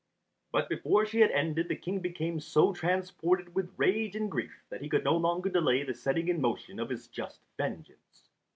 But before she had ended the King became so transported with rage and grief that he could no longer delay the setting in motion of his just vengeance.